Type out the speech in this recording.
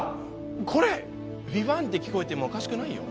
これヴィヴァンって聞こえてもおかしくないよ